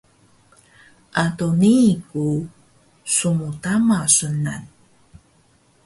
ado nii ku smtama sunan